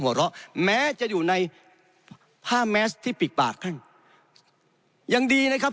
หัวล้อแม้จะอยู่ในผ้าแมสที่ปิดปากครับยังดีนะครับ